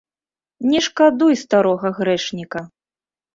Не шкадуй старога грэшніка!